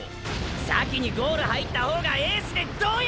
先にゴール入った方がエースでどうや！！